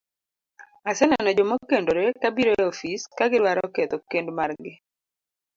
Aseneno joma okendore ka biro e ofis ka gidwaro ketho kend margi,